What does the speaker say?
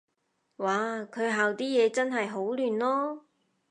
嘩，佢校啲嘢真係好亂囉